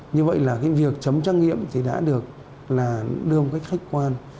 như vậy là cái việc chấm trắc nghiệm thì đã được là đưa một cách khách quan